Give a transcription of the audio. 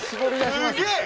すげえ！